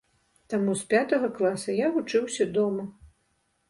Таму з пятага класа я вучыўся дома.